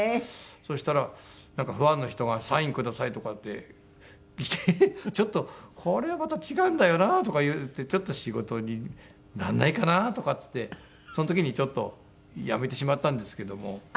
そしたらなんかファンの人が「サインください」とかって来て「ちょっとこれはまた違うんだよな」とか言って「ちょっと仕事になんないかな」とかっつってその時にちょっと辞めてしまったんですけども。